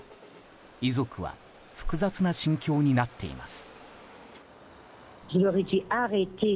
遺族は複雑な心境になっています。